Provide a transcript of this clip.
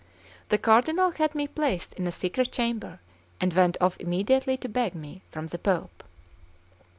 The Cardinal had me placed in a secret chamber, and went off immediately to beg me from the Pope.